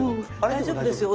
大丈夫ですよ。